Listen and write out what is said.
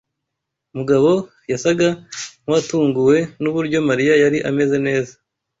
Mugabo yasaga nkuwatunguwe nuburyo Mariya yari ameze neza.